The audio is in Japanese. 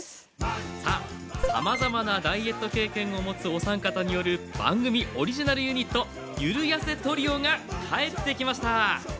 さあさまざまなダイエット経験をもつお三方による番組オリジナルユニットゆるやせトリオが帰ってきました。